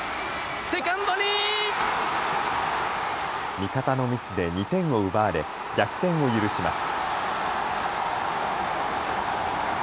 味方のミスで２点を奪われ逆転を許します。